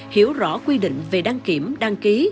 hiểu rõ quy định về đăng kiểm đăng ký